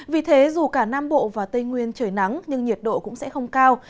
vì thế dù cả nam bộ và tây nguyên trời nắng nhưng nhiệt độ cũng sẽ không cao